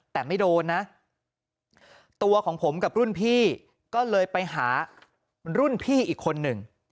แต่ไม่โดนนะตัวของผมกับรุ่นพี่ก็เลยไปหารุ่นพี่อีกคนหนึ่ง